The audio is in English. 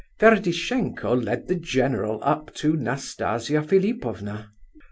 Ferdishenko led the general up to Nastasia Philipovna.